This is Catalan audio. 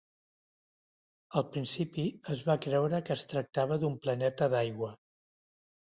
Al principi, es va creure que es tractava d'un planeta d'aigua.